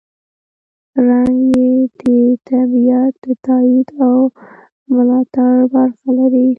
رنګ یې د طبیعت د تاييد او ملاتړ برخه لري.